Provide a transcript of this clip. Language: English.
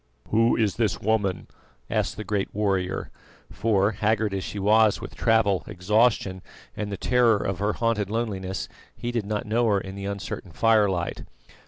"Who is this woman?" asked the great warrior; for, haggard as she was with travel, exhaustion, and the terror of her haunted loneliness, he did not know her in the uncertain firelight.